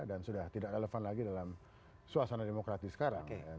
dan sudah tidak relevan lagi dalam suasana demokrati sekarang